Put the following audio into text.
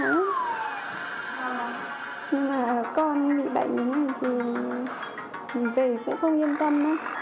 nhưng mà con bị bệnh thì về cũng không yên tâm